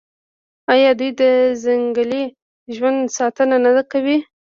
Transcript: آیا دوی د ځنګلي ژوند ساتنه نه کوي؟